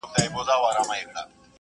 رښتيا ويل تاثير لري.